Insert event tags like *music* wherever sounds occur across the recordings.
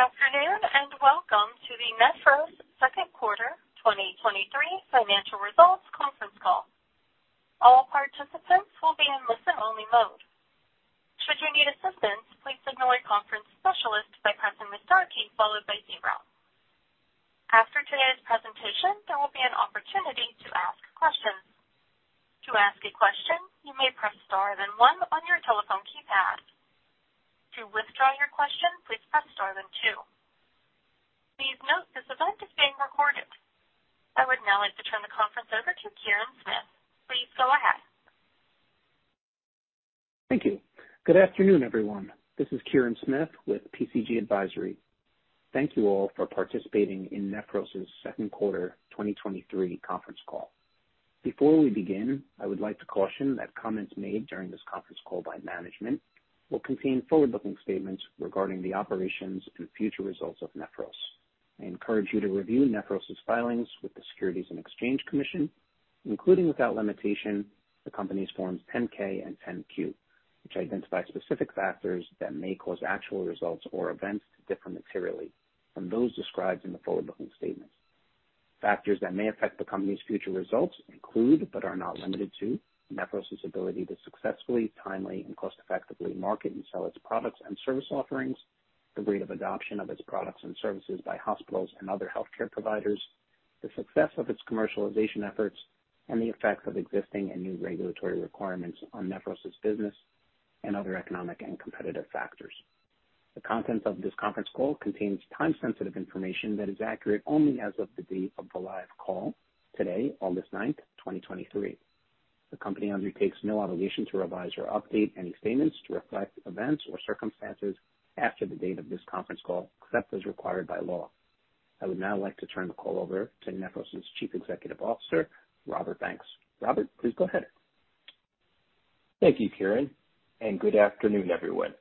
Good afternoon, and welcome to the Nephros Q2 2023 Financial Results Conference Call. All participants will be in listen-only mode. Should you need assistance, please signal a conference specialist by pressing the star key followed by zero. After today's presentation, there will be an opportunity to ask questions. To ask a question, you may press Star then one on your telephone keypad. To withdraw your question, please press Star then two. Please note this event is being recorded. I would now like to turn the conference over to Kirin Smith. Please go ahead. Thank you. Good afternoon, everyone. This is Kirin Smith with PCG Advisory. Thank you all for participating in Nephros's Q2 2023 Conference Call. Before we begin, I would like to caution that comments made during this conference call by management will contain forward-looking statements regarding the operations and future results of Nephros. I encourage you to review Nephros's filings with the Securities and Exchange Commission, including, without limitation, the company's Forms 10-K and 10-Q, which identify specific factors that may cause actual results or events to differ materially from those described in the forward-looking statements. Factors that may affect the company's future results include, but are not limited to, Nephros's ability to successfully, timely, and cost-effectively market and sell its products and service offerings, the rate of adoption of its products and services by hospitals and other healthcare providers, the success of its commercialization efforts, and the effects of existing and new regulatory requirements on Nephros's business and other economic and competitive factors. The contents of this conference call contains time-sensitive information that is accurate only as of the date of the live call, today, August 9th, 2023. The company undertakes no obligation to revise or update any statements to reflect events or circumstances after the date of this conference call, except as required by law. I would now like to turn the call over to Nephros's Chief Executive Officer, Robert Banks. Robert, please go ahead. Thank you, Kirin, and good afternoon, everyone.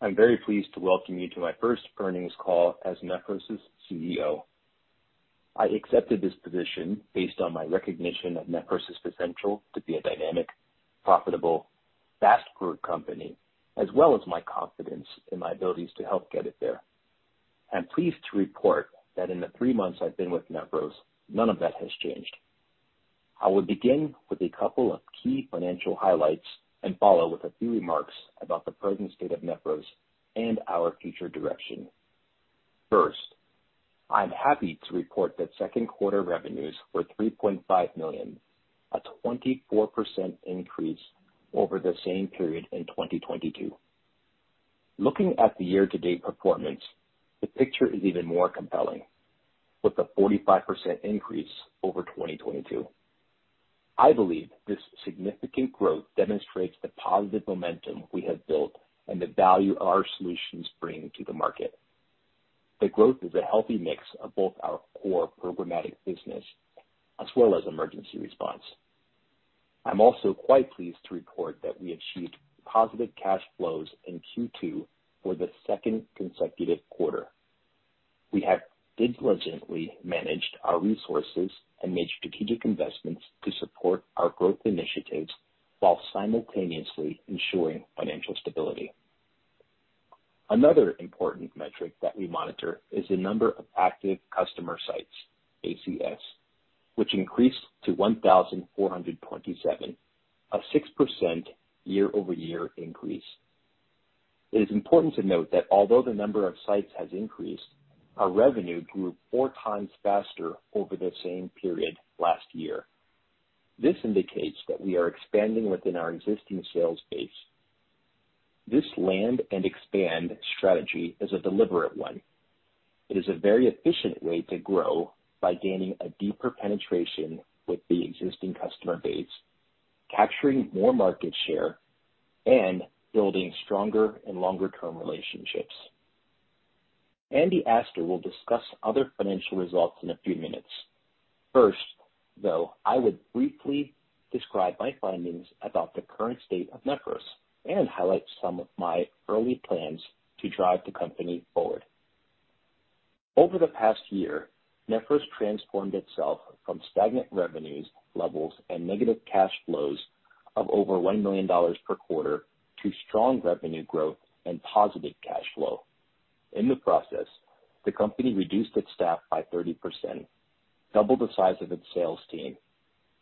I'm very pleased to welcome you to my first earnings call as Nephros's CEO. I accepted this position based on my recognition of Nephros's potential to be a dynamic, profitable, fast-growth company, as well as my confidence in my abilities to help get it there. I'm pleased to report that in the three months I've been with Nephros, none of that has changed. I will begin with a couple of key financial highlights and follow with a few remarks about the present state of Nephros and our future direction. First, I'm happy to report that Q2 revenues were $3.5 million, a 24% increase over the same period in 2022. Looking at the year-to-date performance, the picture is even more compelling, with a 45% increase over 2022. I believe this significant growth demonstrates the positive momentum we have built and the value our solutions bring to the market. The growth is a healthy mix of both our core programmatic business as well as emergency response. I'm also quite pleased to report that we achieved positive cash flows in Q2 for the second consecutive quarter. We have diligently managed our resources and made strategic investments to support our growth initiatives while simultaneously ensuring financial stability. Another important metric that we monitor is the number of active customer sites, ACS, which increased to 1,427, a 6% year-over-year increase. It is important to note that although the number of sites has increased, our revenue grew 4 times faster over the same period last year. This indicates that we are expanding within our existing sales base. This land and expand strategy is a deliberate one. It is a very efficient way to grow by gaining a deeper penetration with the existing customer base, capturing more market share, and building stronger and longer-term relationships. Andy Astor will discuss other financial results in a few minutes. First, though, I would briefly describe my findings about the current state of Nephros and highlight some of my early plans to drive the company forward. Over the past year, Nephros transformed itself from stagnant revenues, levels, and negative cash flows of over $1 million per quarter to strong revenue growth and positive cash flow. In the process, the company reduced its staff by 30%, doubled the size of its sales team,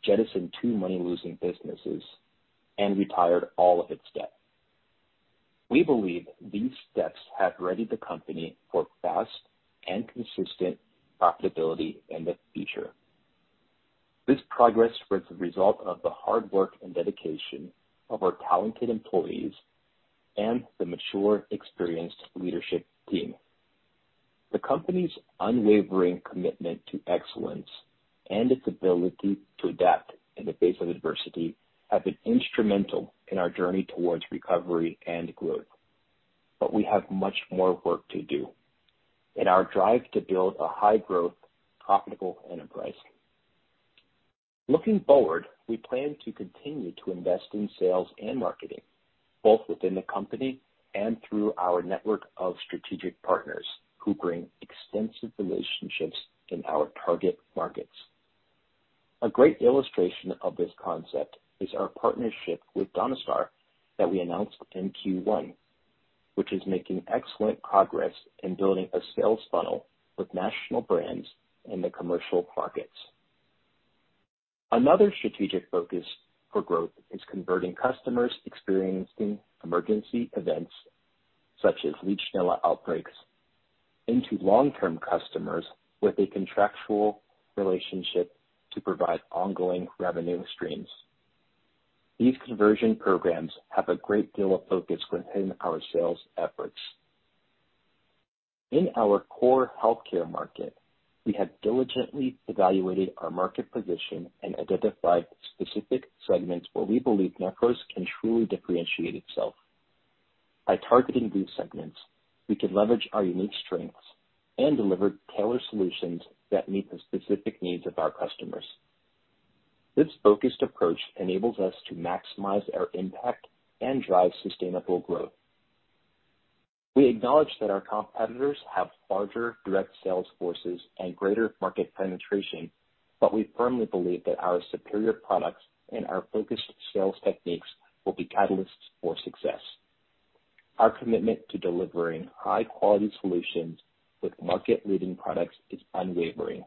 jettisoned two money-losing businesses, and retired all of its debt. We believe these steps have readied the company for fast and consistent profitability in the future. This progress was the result of the hard work and dedication of our talented employees and the mature, experienced leadership team. The company's unwavering commitment to excellence and its ability to adapt in the face of adversity have been instrumental in our journey towards recovery and growth. We have much more work to do in our drive to build a high-growth, profitable enterprise. Looking forward, we plan to continue to invest in sales and marketing, both within the company and through our network of strategic partners, who bring extensive relationships in our target markets. A great illustration of this concept is our partnership with Donestar that we announced in Q1, which is making excellent progress in building a sales funnel with national brands in the commercial markets. Another strategic focus for growth is converting customers experiencing emergency events, such as Legionella outbreaks, into long-term customers with a contractual relationship to provide ongoing revenue streams. These conversion programs have a great deal of focus within our sales efforts. In our core healthcare market, we have diligently evaluated our market position and identified specific segments where we believe Nephros can truly differentiate itself. By targeting these segments, we can leverage our unique strengths and deliver tailored solutions that meet the specific needs of our customers. This focused approach enables us to maximize our impact and drive sustainable growth. We acknowledge that our competitors have larger direct sales forces and greater market penetration, but we firmly believe that our superior products and our focused sales techniques will be catalysts for success. Our commitment to delivering high-quality solutions with market-leading products is unwavering.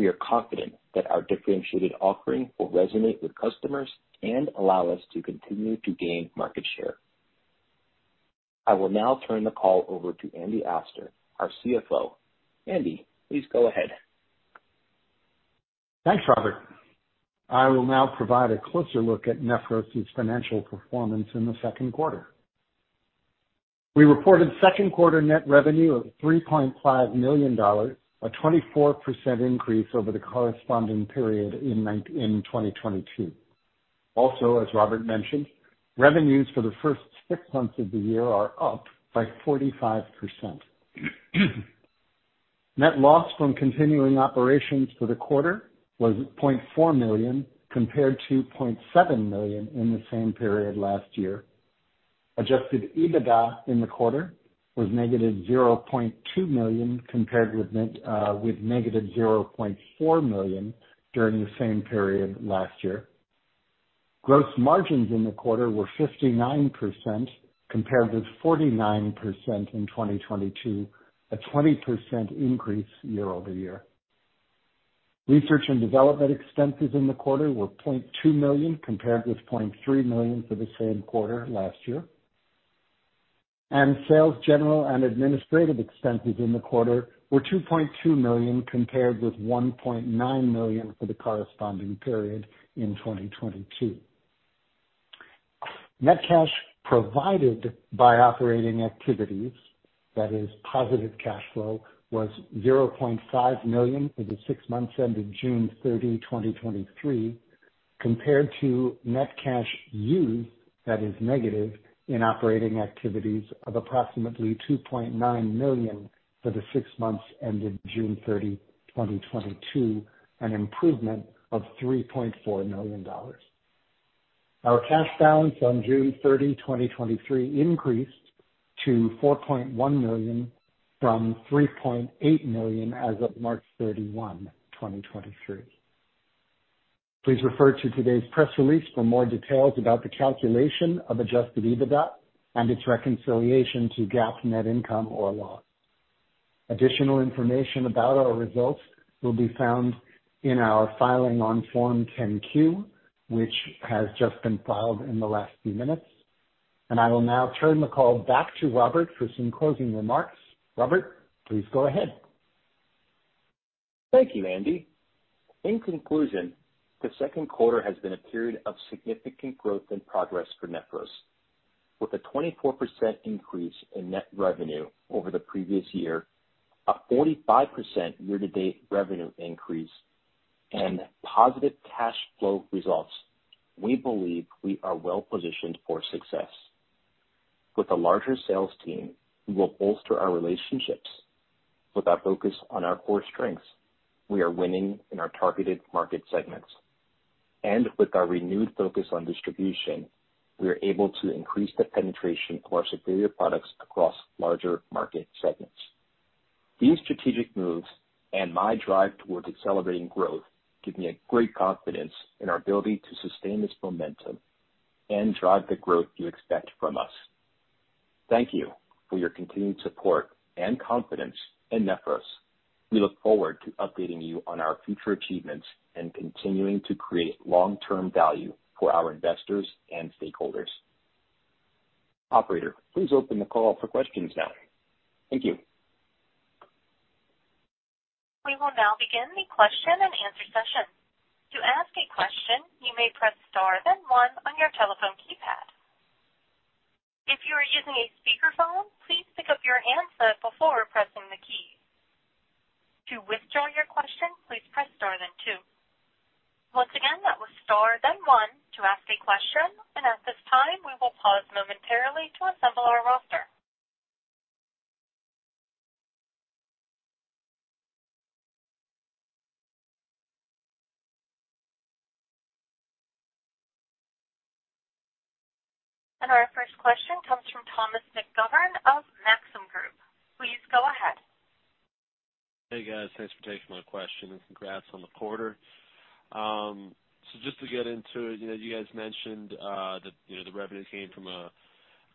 We are confident that our differentiated offering will resonate with customers and allow us to continue to gain market share. I will now turn the call over to Andy Astor, our CFO. Andy, please go ahead. Thanks, Robert. I will now provide a closer look at Nephros' financial performance in the Q2. We reported Q2 net revenue of $3.5 million, a 24% increase over the corresponding period in 2022. Also as Robert mentioned, revenues for the first six months of the year are up by 45%. Net loss from continuing operations for the quarter was $0.4 million, compared to $0.7 million in the same period last year. Adjusted EBITDA in the quarter was -$0.2 million, compared with -$0.4 million during the same period last year. Gross margins in the quarter were 59%, compared with 49% in 2022, a 20% increase year-over-year. Research and development expenses in the quarter were $0.2 million, compared with $0.3 million for the same quarter last year. Sales, general, and administrative expenses in the quarter were $2.2 million, compared with $1.9 million for the corresponding period in 2022. Net cash provided by operating activities, that is, positive cash flow, was $0.5 million for the six months ended June 30th, 2023, compared to net cash used, that is negative, in operating activities of approximately $2.9 million for the six months ended June 30th, 2022, an improvement of $3.4 million dollars. Our cash balance on June 30th, 2023, increased to $4.1 million, from $3.8 million as of March 31st, 2023. Please refer to today's press release for more details about the calculation of adjusted EBITDA and its reconciliation to GAAP net income or loss. Additional information about our results will be found in our filing on Form 10-Q, which has just been filed in the last few minutes, and I will now turn the call back to Robert for some closing remarks. Robert, please go ahead. Thank you, Andy. In conclusion, the Q2 has been a period of significant growth and progress for Nephros. With a 24% increase in net revenue over the previous year, a 45% year-to-date revenue increase, and positive cash flow results, we believe we are well positioned for success. With a larger sales team, we will bolster our relationships. With our focus on our core strengths, we are winning in our targeted market segments. With our renewed focus on distribution, we are able to increase the penetration of our superior products across larger market segments. These strategic moves and my drive towards accelerating growth give me a great confidence in our ability to sustain this momentum and drive the growth you expect from us. Thank you for your continued support and confidence in Nephros. We look forward to updating you on our future achievements and continuing to create long-term value for our investors and stakeholders. Operator, please open the call for questions now. Thank you. We will now begin the question and answer session. To ask a question, you may press star then one on your telephone keypad. If you are using a speakerphone, please pick up your handset before pressing the key. To withdraw your question, please press star then two. Once again, that was star then one to ask a question, and at this time, we will pause momentarily to assemble our roster. Our first question comes from Thomas McGovern of Maxim Group. Please go ahead. Hey, guys. Thanks for taking my question, and congrats on the quarter. Just to get into it, you know, you guys mentioned that, you know, the revenue came from a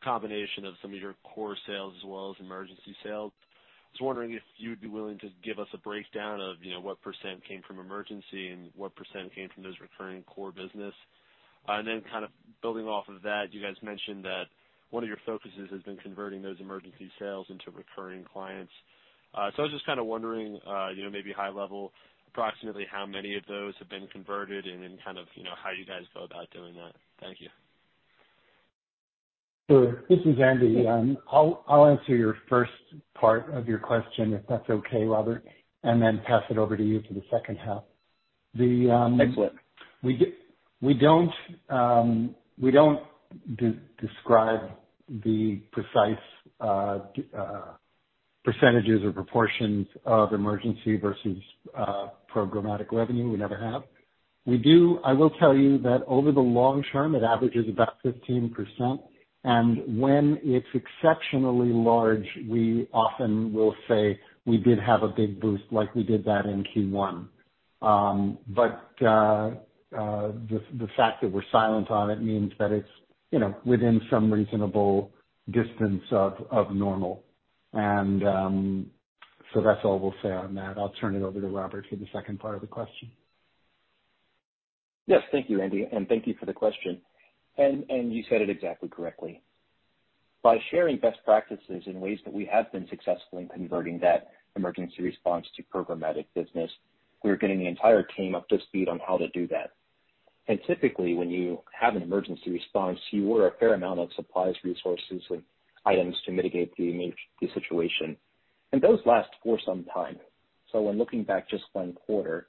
combination of some of your core sales as well as emergency sales. I was wondering if you'd be willing to give us a breakdown of, you know, what percent came from emergency and what percent came from those recurring core business. Kind of building off of that, you guys mentioned that one of your focuses has been converting those emergency sales into recurring clients. I was just kind of wondering, you know, maybe high level, approximately how many of those have been converted, and then kind of, you know, how you guys go about doing that? Thank you. Sure. This is Andy. I'll, I'll answer your first part of your question, if that's okay, Robert, and then pass it over to you for the second half. Excellent. We don't, we don't describe the precise percentages or proportions of emergency versus programmatic revenue. We never have. We do. I will tell you that over the long term, it averages about 15%, and when it's exceptionally large, we often will say, "We did have a big boost," like we did that in Q1. But the fact that we're silent on it means that it's, you know, within some reasonable distance of normal. So that's all we'll say on that. I'll turn it over to Robert for the second part of the question. Yes. Thank you, Andy, and thank you for the question. You said it exactly correctly. By sharing best practices in ways that we have been successful in converting that emergency response to programmatic business, we are getting the entire team up to speed on how to do that. Typically, when you have an emergency response, you order a fair amount of supplies, resources, and items to mitigate the situation, and those last for some time. When looking back just one quarter,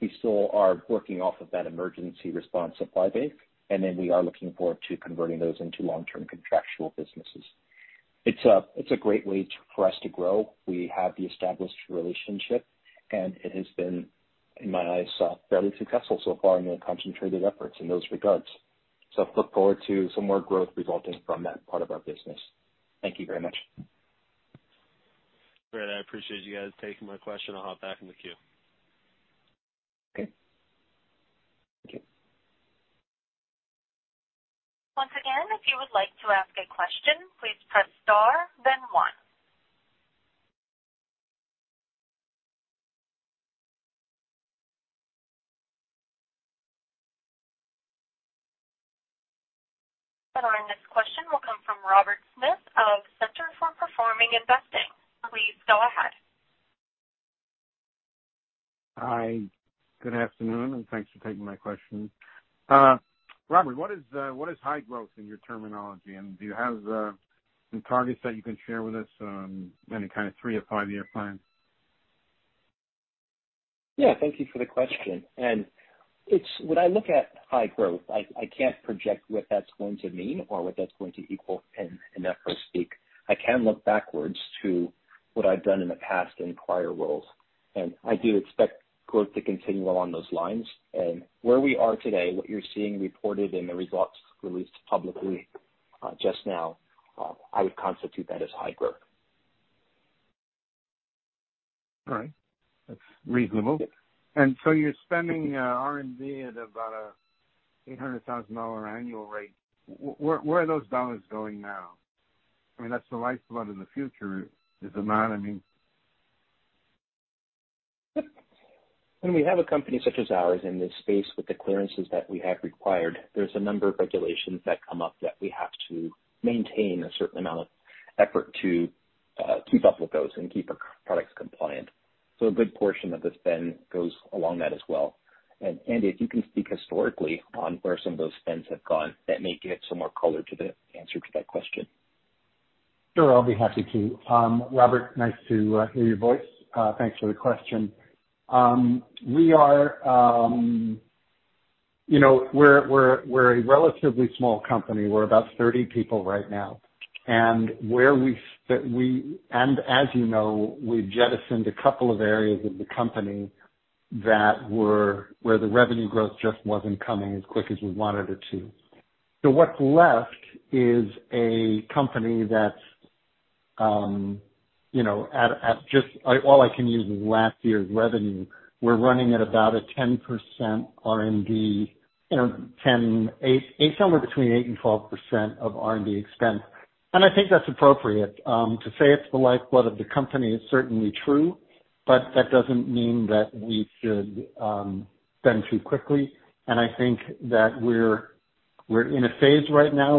we still are working off of that emergency response supply base, and then we are looking forward to converting those into long-term contractual businesses. It's a great way for us to grow. We have the established relationship, and it has been, in my eyes, fairly successful so far in the concentrated efforts in those regards. I look forward to some more growth resulting from that part of our business. Thank you very much. Great. I appreciate you guys taking my question. I'll hop back in the queue. Okay. Thank you. Once again, if you would like to ask a question, please press star then one. Our next question will come from Robert Smith of Center for Performance Investing. Please go ahead. Hi, good afternoon, and thanks for taking my question. Robert, what is, what is high growth in your terminology? Do you have some targets that you can share with us on any kind of three to five year plan? Yeah, thank you for the question. It's when I look at high growth, I can't project what that's going to mean or what that's going to equal in, in effort speak. I can look backwards to what I've done in the past in prior roles, I do expect growth to continue along those lines. Where we are today, what you're seeing reported in the results released publicly, just now, I would constitute that as high growth. All right. That's reasonable. So you're spending R&D at about a $800,000 annual rate. Where are those dollars going now? I mean, that's the lifeblood in the future, is it not? I mean. When we have a company such as ours in this space, with the clearances that we have required, there's a number of regulations that come up that we have to maintain a certain amount of effort to fulfill those and keep our products compliant. A good portion of the spend goes along that as well. Andy, if you can speak historically on where some of those spends have gone, that may give some more color to the answer to that question. Sure, I'll be happy to. Robert, nice to hear your voice. Thanks for the question. We are, you know, we're a relatively small company. We're about 30 people right now, and where we *inaudible* that we, As you know, we jettisoned a couple of areas of the company that were, where the revenue growth just wasn't coming as quick as we wanted it to. What's left is a company that's, you know, at, at just, I. All I can use is last year's revenue. We're running at about a 10% R&D, you know, 10%, 8%, somewhere between 8% and 12% of R&D expense, and I think that's appropriate. To say it's the lifeblood of the company is certainly true, but that doesn't mean that we should spend too quickly. I think that we're, we're in a phase right now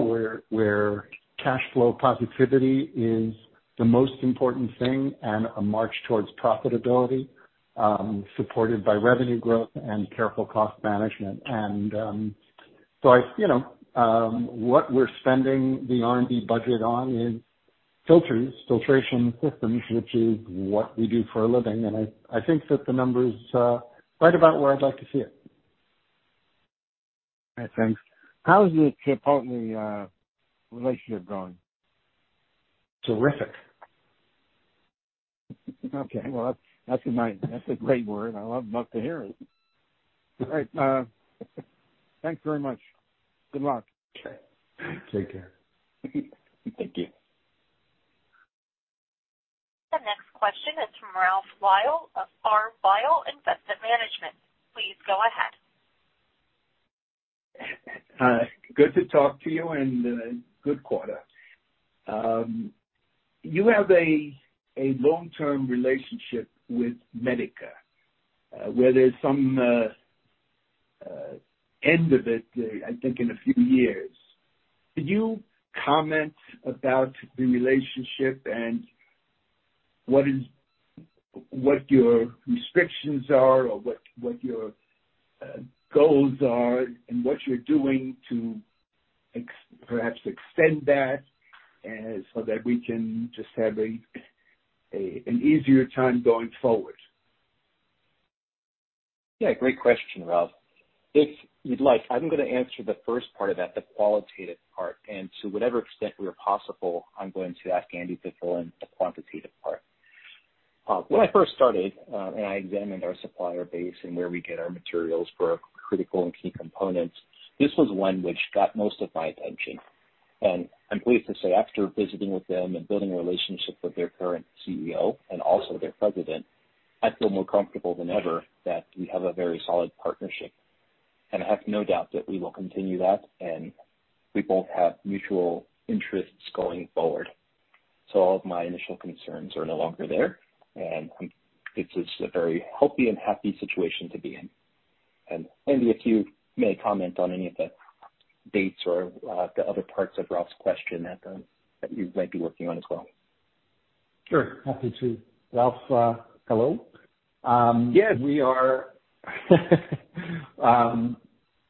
where cash flow positivity is the most important thing and a march towards profitability, supported by revenue growth and careful cost management. What we're spending the R&D budget on is filters, filtration systems, which is what we do for a living, and I, I think that the number is right about where I'd like to see it. All right. Thanks. How is your Chipotle relationship going? Terrific. Okay, well, that's a nice, that's a great word. I love nothing to hear it. All right, thanks very much. Good luck. Okay. Take care. Thank you. The next question is from Ralph Weil of R. Weil Investment Management. Please go ahead. Good to talk to you, and good quarter. You have a, a long-term relationship with Medica, where there's some end of it, I think, in a few years. Could you comment about the relationship and what is- what your restrictions are or what, what your goals are and what you're doing to ex- perhaps extend that, so that we can just have a, a, an easier time going forward? Yeah, great question, Ralph. If you'd like, I'm going to answer the first part of that, the qualitative part, and to whatever extent we are possible, I'm going to ask Andy to fill in the quantitative part. When I first started, and I examined our supplier base and where we get our materials for our critical and key components, this was one which got most of my attention. I'm pleased to say, after visiting with them and building a relationship with their current CEO and also their president, I feel more comfortable than ever that we have a very solid partnership. I have no doubt that we will continue that, and we both have mutual interests going forward. All of my initial concerns are no longer there. It's just a very healthy and happy situation to be in. Andy, if you may comment on any of the dates or the other parts of Ralph's question that you might be working on as well. Sure, happy to. Ralph, hello? Yes. We are,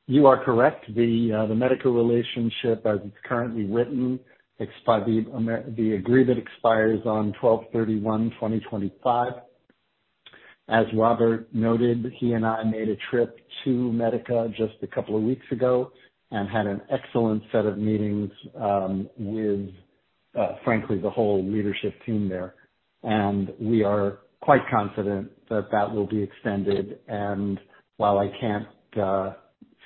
you are correct. The medical relationship, as it's currently written, expires, the agreement expires on 12/31/2025. As Robert noted, he and I made a trip to Medica just a couple of weeks ago and had an excellent set of meetings, with frankly, the whole leadership team there. We are quite confident that that will be extended. While I can't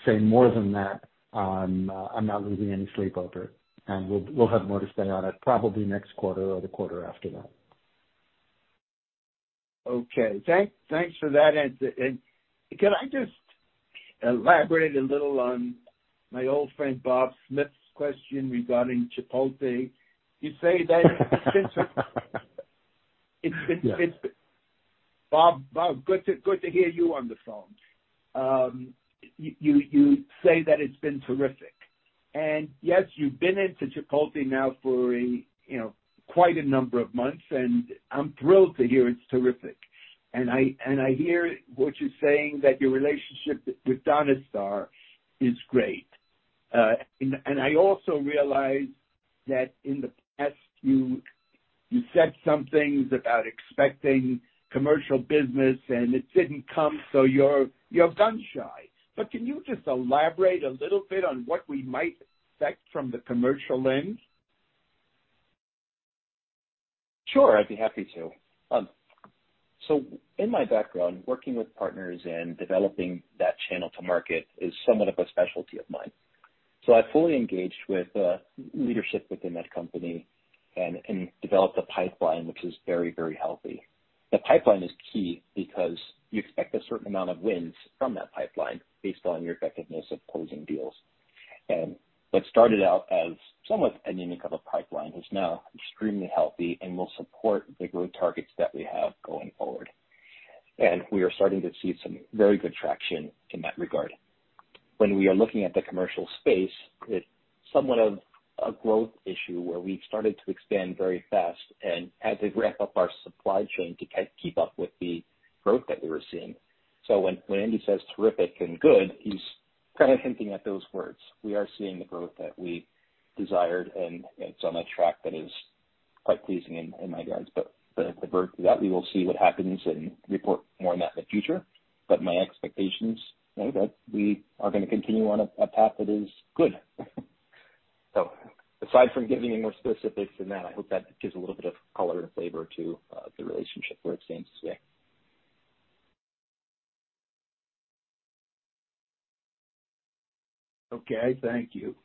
say more than that, I'm not losing any sleep over it. We'll have more to say on it probably next quarter or the quarter after that. Okay. Thanks for that answer. Can I just elaborate a little on my old friend Bob Smith's question regarding Chipotle? You say that. Yeah. Bob, good to, good to hear you on the phone. You, you, you say that it's been terrific. Yes, you've been into Chipotle now for a, you know, quite a number of months, and I'm thrilled to hear it's terrific. I, and I hear what you're saying, that your relationship with Donestar is great. I also realize that in the past, you, you said some things about expecting commercial business, and it didn't come, so you're, you're gun-shy. Can you just elaborate a little bit on what we might expect from the commercial lens? Sure, I'd be happy to. In my background, working with partners and developing that channel to market is somewhat of a specialty of mine. I fully engaged with leadership within that company and developed a pipeline which is very, very healthy. The pipeline is key because you expect a certain amount of wins from that pipeline based on your effectiveness of closing deals. What started out as somewhat anemic of a pipeline is now extremely healthy and will support the growth targets that we have going forward. We are starting to see some very good traction in that regard. When we are looking at the commercial space, it's somewhat of a growth issue where we've started to expand very fast, and had to ramp up our supply chain to keep up with the growth that we were seeing. When, when Andy says terrific and good, he's kind of hinting at those words. We are seeing the growth that we desired, and it's on a track that is quite pleasing in my regards. The verdict of that, we will see what happens and report more on that in the future, but my expectations are that we are going to continue on a path that is good. Aside from giving any more specifics than that, I hope that gives a little bit of color and flavor to, the relationship where it stands today. Okay, thank you.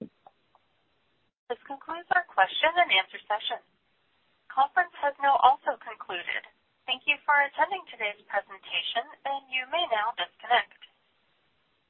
This concludes our question and answer session. Conference has now also concluded. Thank you for attending today's presentation, and you may now disconnect.